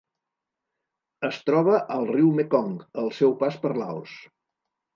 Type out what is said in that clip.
Es troba al riu Mekong al seu pas per Laos.